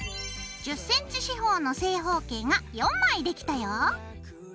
１０ｃｍ四方の正方形が４枚できたよ。